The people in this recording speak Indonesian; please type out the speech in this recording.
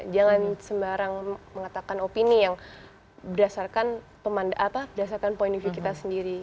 jangan sembarang mengatakan opini yang berdasarkan point of view kita sendiri